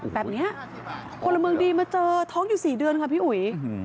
พลเมืองดีมาเจอท้องอยู่๔เดือนค่ะพี่อุ๋ย